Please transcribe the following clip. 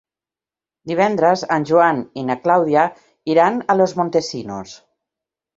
Divendres en Joan i na Clàudia iran a Los Montesinos.